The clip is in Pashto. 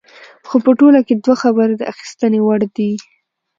خو په ټوله کې دوه خبرې د اخیستنې وړ دي.